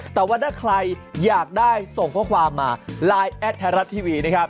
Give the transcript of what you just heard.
แต่ว่าถ้าใครอยากได้ส่งข้อความมาไลน์แอดไทยรัฐทีวีนะครับ